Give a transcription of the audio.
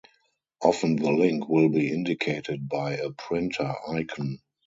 Often the link will be indicated by a printer icon.